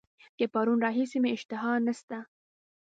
د پرون راهیسي مي اشتها نسته.